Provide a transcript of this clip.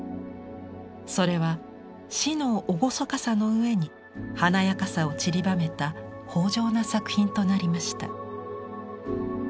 それは死の厳かさの上に華やかさをちりばめた豊饒な作品となりました。